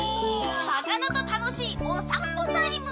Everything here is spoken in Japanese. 魚と楽しいお散歩タイム！